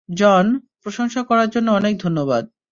জন, প্রশংসা করার জন্য অনেক ধন্যবাদ।